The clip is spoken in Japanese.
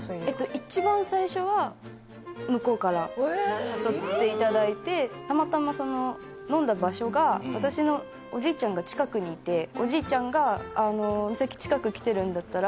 一番最初は向こうから誘っていただいてたまたまその飲んだ場所が私のおじいちゃんが近くにいておじいちゃんが「美彩近く来てるんだったら」